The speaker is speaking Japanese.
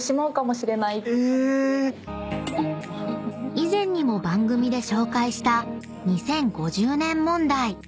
［以前にも番組で紹介した２０５０年問題］